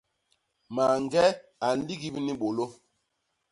Mañge a nligip ni bôlô.